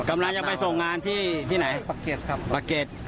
กำลังจะไปส่งงานที่ไหนปากเกร็ดครับปากเกร็ด